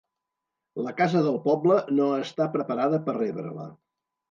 La casa del poble no està preparada per rebre-la.